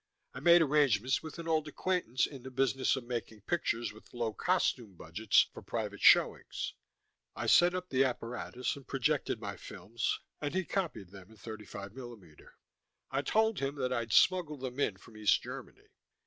I made arrangements with an old acquaintance in the business of making pictures with low costume budgets for private showings; I set up the apparatus and projected my films, and he copied them in 35 mm. I told him that I'd smuggled them in from East Germany.